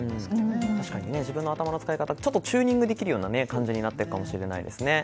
確かに自分の頭の使い方をチューニングできるような感じになっているかもしれないですね。